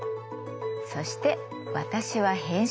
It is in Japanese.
そして私は編集長。